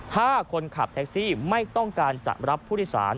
ถ้าคนขับแท็กซี่ไม่ต้องการจะรับผู้โดยสาร